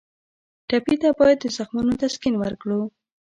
ټپي ته باید د زخمونو تسکین ورکړو.